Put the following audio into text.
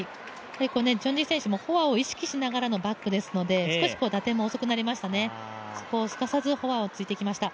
チョン・ジヒ選手もフォアを意識しながらのバックでしたので少し打点も遅くなりましたね、そこをすかさずフォアを突いてきました。